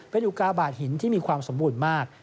เป็นอุกาบาทหินที่มีความสมบูรณ์มาก